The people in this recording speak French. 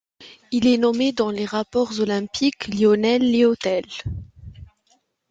Il est nommé dans les rapports olympiques Lionel Liottel.